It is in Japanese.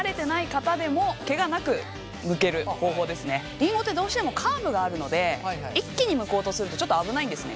りんごってどうしてもカーブがあるので一気にむこうとするとちょっと危ないんですね。